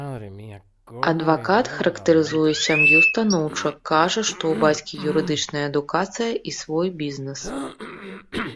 Адвакат характарызуе сям'ю станоўча, кажа, што ў бацькі юрыдычная адукацыя і свой бізнэс.